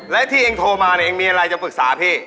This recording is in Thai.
แล้วที่เฮงโทรมาเนี้ยฮิงมีอะไรจะฝึกสาพี่